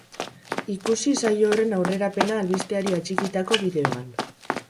Ikusi saio horren aurrerapena albisteari atxikitako bideoan.